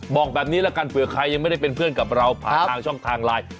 บอกแบบนี้ละกันเผื่อใครยังไม่ได้เป็นเพื่อนกับเราผ่านทางช่องทางไลน์